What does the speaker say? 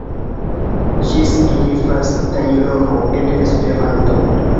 Ĝi signifas tajloro en Esperanto.